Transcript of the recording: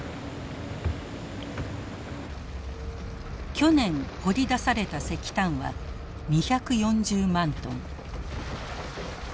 去年掘り出された石炭は２４０万トン。